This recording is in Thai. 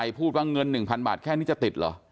พูดว่าเงิน๑๐๐บาทแค่นี้จะติดเหรอ